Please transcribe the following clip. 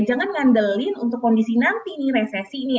jangan ngandelin untuk kondisi nanti nih resesi nih